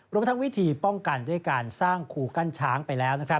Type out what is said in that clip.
รวมทั้งวิธีป้องกันด้วยการสร้างคูกั้นช้างไปแล้ว